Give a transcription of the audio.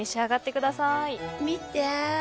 見て！